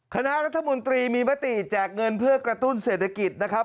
คณะรัฐมนตรีมีมติแจกเงินเพื่อกระตุ้นเศรษฐกิจนะครับ